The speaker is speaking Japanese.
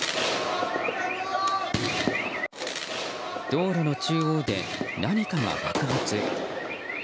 道路の中央で何かが爆発。